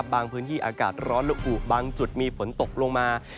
พื้นที่อากาศร้อนและอุบางจุดมีฝนตกลงมา